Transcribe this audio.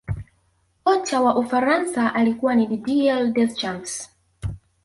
kocha wa ufaransa alikuwa ni didier deschamps